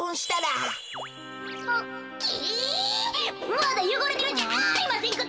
まだよごれてるじゃありませんこと。